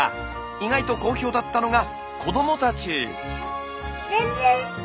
意外と好評だったのが子どもたち。